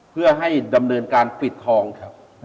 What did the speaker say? เพื่อให้ดำเนินการปิดทองครับ